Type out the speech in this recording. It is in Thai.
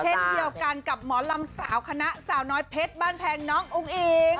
เช่นเดียวกันกับหมอลำสาวคณะสาวน้อยเพชรบ้านแพงน้องอุ้งอิง